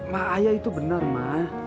mak ayah itu benar ma